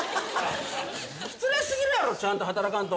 失礼すぎるやろちゃんと働かんと。